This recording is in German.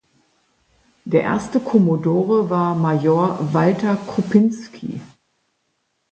Der erste Kommodore war Major Walter Krupinski.